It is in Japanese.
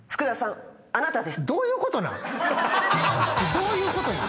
どういうことなん？